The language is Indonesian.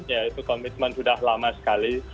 ya itu komitmen sudah lama sekali